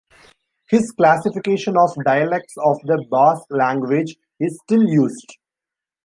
His classification of dialects of the Basque language is still used.